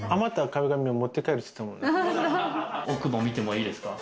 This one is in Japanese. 奥も見ていいですか？